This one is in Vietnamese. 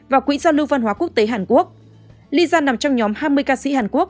và quỹ giao lưu văn hóa quốc tế hàn quốc leza nằm trong nhóm hai mươi ca sĩ hàn quốc